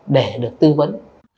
để được tư vấn